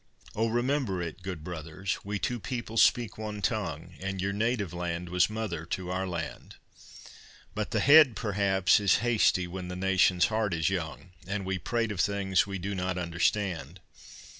Oh! remember it, good brothers. We two people speak one tongue, And your native land was mother to our land; But the head, perhaps, is hasty when the nation's heart is young, And we prate of things we do not understand.